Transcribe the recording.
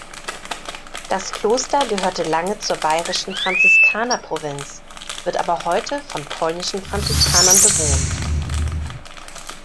Das Kloster gehörte lange zur Bayerischen Franziskanerprovinz, wird aber heute von polnischen Franziskanern bewohnt.